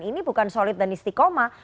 ini bukan solid dan istiqomah